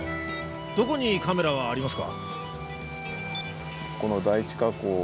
どこにカメラはありますか？